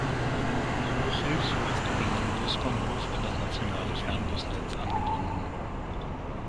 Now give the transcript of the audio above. Hluchiw ist über seinen Busbahnhof an das nationale Fernbusnetz angebunden.